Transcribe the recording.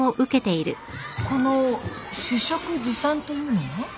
この「主食持参」というのは？